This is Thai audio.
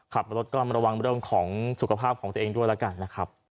ขับรถก็มาระวังเรื่องของสุขภาพของตัวเองด้วยแล้วกันนะครับ